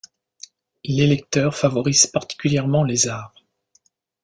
L'électeur favorise particulièrement les arts.